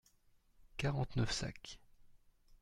Quarante-neuf sacs.